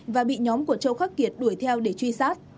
và bị nhóm của châu khắc kiệt đuổi theo để truy sát